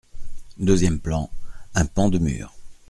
Deuxième plan, un pan de mur.